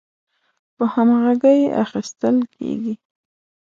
په همغږۍ اخیستل کیږي